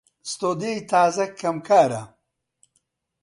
ستۆدیۆی تازە کەم کارە